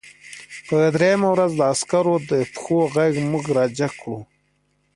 په درېیمه ورځ د عسکرو د پښو غږ موږ راجګ کړو